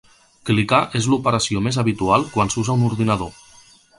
Clicar és l'operació més habitual quan s'usa un ordinador.